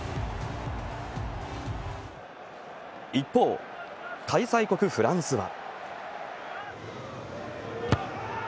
一方、開催国フランスは。